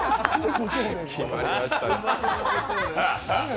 決まりましたね。